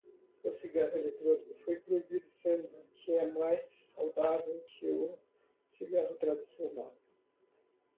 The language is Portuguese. O cigarro eletrônico foi proibido sendo que é mais saudável que o cigarro tradicional